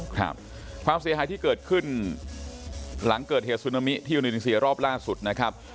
ความเสียหายที่เกิดขึ้นหลังเกิดเหตุซึนามิที่อินโดนีเซียรอบล่าสุดนะครับ